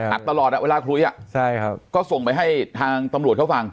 ตลอดเวลาคุยก็ส่งไปให้ทางตำรวจเขาฟัง